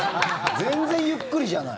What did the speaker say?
全然ゆっくりじゃない。